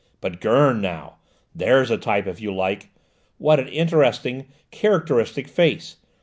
But Gurn, now! There's a type, if you like! What an interesting, characteristic face!